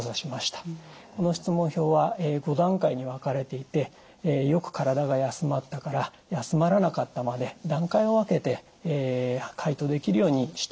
この質問票は５段階に分かれていて「よく体が休まった」から「休まらなかった」まで段階を分けて回答できるようにしております。